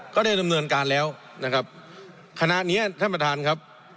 ก็ได้ดำเนินการแล้วนะครับคณะเนี้ยท่านประธานครับ